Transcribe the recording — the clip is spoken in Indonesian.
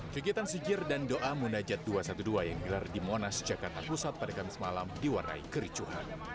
kegiatan sijir dan doa munajat dua ratus dua belas yang gelar di monas jakarta pusat pada kamis malam diwarnai kericuhan